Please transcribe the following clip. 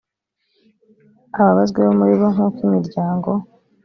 ababazwe bo muri bo nk uko imiryango